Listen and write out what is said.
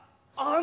あ！